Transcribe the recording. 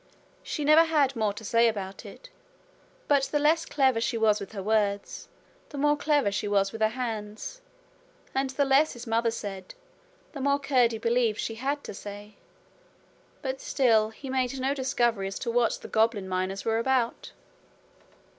She never had more to say about it; but the less clever she was with her words, the more clever she was with her hands; and the less his mother said, the more Curdie believed she had to say. But still he had made no discovery as to what the goblin miners were about.